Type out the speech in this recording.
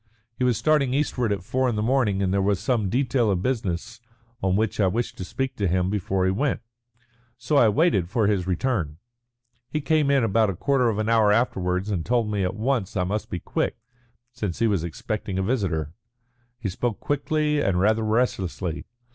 He was starting eastward at four in the morning, and there was some detail of business on which I wished to speak to him before he went. So I waited for his return. He came in about a quarter of an hour afterwards and told me at once that I must be quick, since he was expecting a visitor. He spoke quickly and rather restlessly.